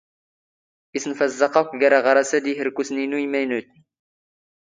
ⵉⵙⵏⴼⴰⵣⵣⴰⵇⵇ ⴰⴽⴽⵯ ⴳⴰⵔ ⴰⵖⴰⵔⴰⵙ ⴰⴷ ⵉⵀⵔⴽⵓⵙⵏ ⵉⵏⵓ ⵉⵎⴰⵢⵏⵓⵜⵏ.